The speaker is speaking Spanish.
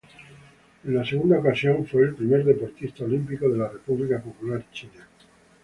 En la segunda ocasión fue el primer deportista olímpico de la República Popular China.